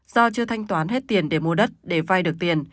do chưa thanh toán hết tiền để mua đất để vay được tiền